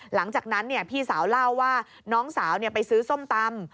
หลังจากนั้นพี่สาวเล่าว่าน้องสาวไปซื้อส้มตำ